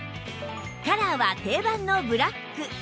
カラーは定番のブラック